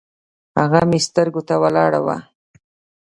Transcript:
هغه مې سترګو ته ولاړه وه